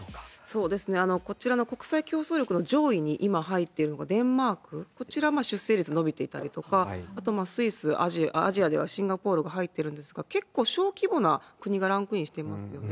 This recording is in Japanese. そうですね、こちらの国際競争力の上位に今、入っているのがデンマーク、こちら、出生率伸びていたりとか、あとスイス、アジアではシンガポールが入ってるんですが、結構、小規模な国がランクインしていますよね。